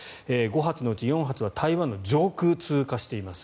５発のうち４発は台湾の上空を通過しています。